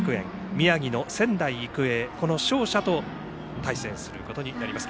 宮城の仙台育英、この勝者と対戦することになります。